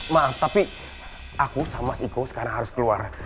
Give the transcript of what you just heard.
maaf tapi aku sama mas iko sekarang harus keluar